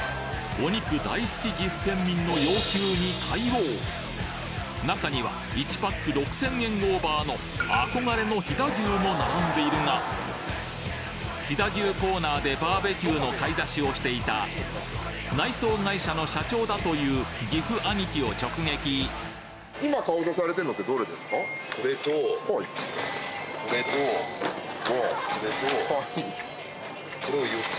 お肉大好き岐阜県民の要求に対応中には１パック６千円オーバーの憧れの飛騨牛も並んでいるが飛騨牛コーナーでバーベキューの買い出しをしていた岐阜アニキを直撃これとこれとこれとこれを４つ。